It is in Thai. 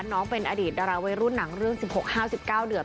น้องเป็นอดีตดาราวัยรุ่นหนังเรื่อง๑๖๕๑๙เดือด